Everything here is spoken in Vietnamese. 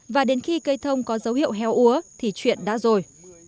và đến khi cây thông có dấu hiệu héo úa thì chuyện đã rồi